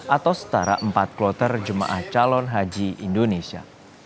atau setara empat kloter jemaah calon haji indonesia